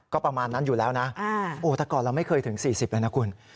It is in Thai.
ก็ประมาณนั้นอยู่แล้วนะโอ้แต่ก่อนเราไม่เคยถึง๔๐เลยนะคุณ